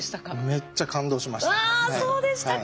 めっちゃ感動しました。